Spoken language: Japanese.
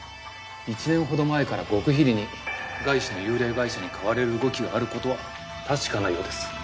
１年ほど前から極秘裏に外資の幽霊会社に買われる動きがあることは確かなようです。